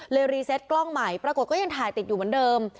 รีเซตกล้องใหม่ปรากฏก็ยังถ่ายติดอยู่เหมือนเดิม